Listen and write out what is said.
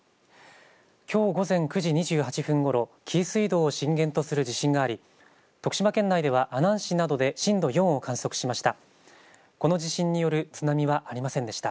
きょう午前９時２８分ごろ紀伊水道を震源とする地震があり徳島県内では、阿南市などで震度４を観測しました。